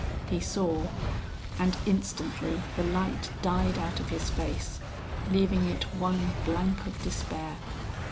He saw, and instantly the light died out of his face, leaving it one blank of despair.